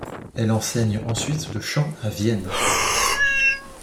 Elle enseigne ensuite le chant à Vienne.